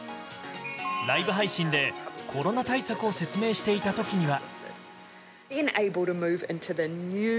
ライブ配信でコロナ対策を説明していた時には。